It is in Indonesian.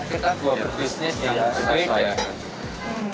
kita dua bisnis yang bersaing